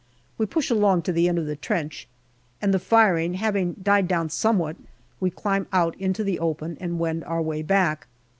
We push along to the end of the trench, and the firing having died down somewhat, we climb out into the open and wend our way back.